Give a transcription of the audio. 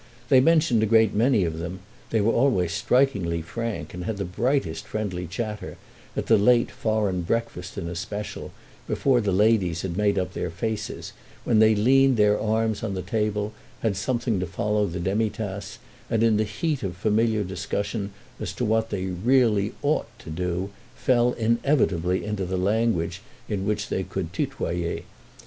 They mentioned a great many of them—they were always strikingly frank and had the brightest friendly chatter, at the late foreign breakfast in especial, before the ladies had made up their faces, when they leaned their arms on the table, had something to follow the demitasse, and, in the heat of familiar discussion as to what they "really ought" to do, fell inevitably into the languages in which they could tutoyer.